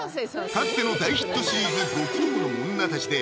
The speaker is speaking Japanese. かつての大ヒットシリーズ「極道の妻たちで」